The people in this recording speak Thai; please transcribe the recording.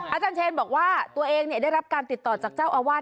อาจารย์เชนบอกว่าตัวเองได้รับการติดต่อจากเจ้าอาวาส